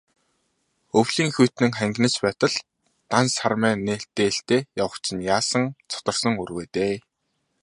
Өвлийн хүйтэн хангинаж байтал, дан сармай дээлтэй явах чинь яасан зутарсан үр вэ дээ.